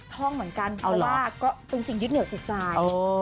ท่องเหมือนกันเพราะว่าก็เป็นสิ่งยึดเหนียวจิตใจ